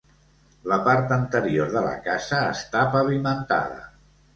La part anterior de la casa està pavimentada.